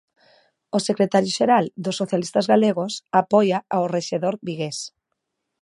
O secretario xeral dos socialistas galegos apoia ao rexedor vigués.